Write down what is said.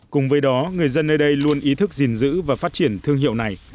cùng với đó người dân nơi đây luôn ý thức gìn giữ và phát triển thương hiệu này